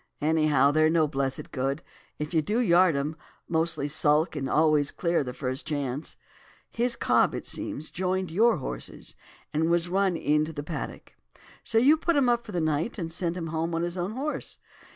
Anyhow, they're no blessed good, if you do yard 'em; mostly sulk and always clear the first chance. His cob, it seems, joined your horses, and was run in to the paddock. So you put him up for the night and sent him home on his own horse.